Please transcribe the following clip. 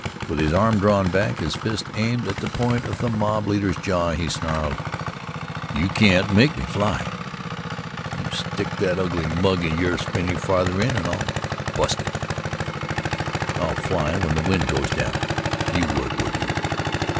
With his arm drawn back, his fist aimed at the point of the mob leader's jaw, he snarled: "You can't make me fly. You stick that ugly mug of yours any farther in and I'll bust it. I'll fly when the wind goes down——You would, would you?"